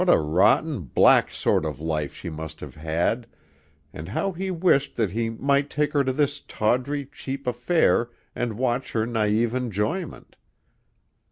What a rotten, black sort of life she must have had, and how he wished that he might take her to this tawdry, cheap affair and watch her naïve enjoyment.